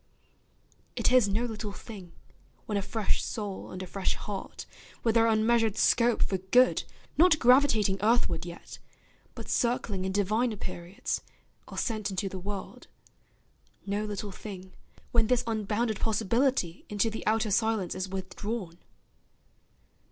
It is no little thing, when a fresh soul And a fresh heart, with their unmeasured scope For good, not gravitating earthward yet, But circling in diviner periods, Are sent into the world, no little thing, When this unbounded possibility Into the outer silence is withdrawn.